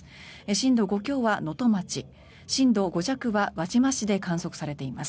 震度５強は能登町震度５弱は輪島市で観測されています。